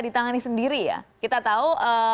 ditangani sendiri ya kita tahu